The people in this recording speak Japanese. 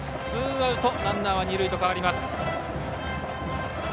ツーアウトランナーは二塁へと変わります。